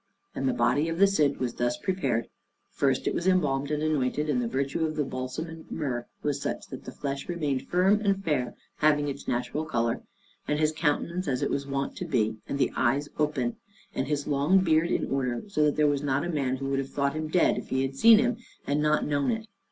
And the body of the Cid was thus prepared: first it was embalmed and anointed, and the virtue of the balsam and myrrh was such that the flesh remained firm and fair, having its natural color, and his countenance as it was wont to be, and the eyes open, and his long beard in order, so that there was not a man who would have thought him dead if he had seen him and not known it.